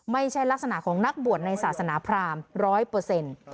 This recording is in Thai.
ไม่ใช่ลักษณะของนักบวชในศาสนาพรามร้อยเปอร์เซ็นต์